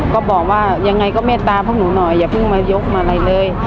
ก็บอกว่ายังไงก็เมตตาพวกหนูหน่อยอย่าเพิ่งมายกมาอะไรเลย